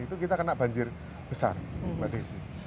itu kita kena banjir besar di sini